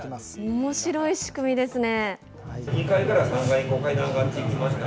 おもしろい仕組みですね。